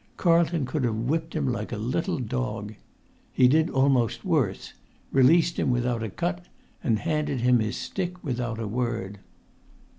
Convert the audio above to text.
Carlton could have whipped him like a little dog. He did almost worse: released him without a cut, and handed him his stick without a word.